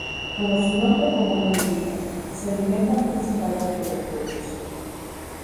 Como su nombre común lo indica, se alimentan principalmente de frutos.